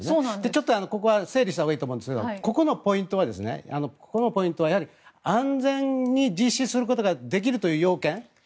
ちょっとここは整理したほうがいいと思うんですがここのポイントは、やはり安全に実施することができるという要件